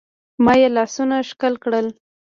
ما يې لاسونه ښکل کړل.